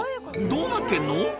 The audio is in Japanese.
どうなってんの？